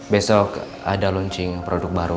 besok ada launching produk baru